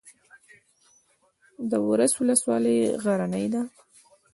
د ورس ولسوالۍ غرنۍ ده